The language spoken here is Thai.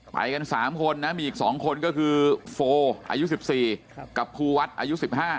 ไปกัน๓คนนะมีอีก๒คนก็คือโฟอายุ๑๔กับครูวัดอายุ๑๕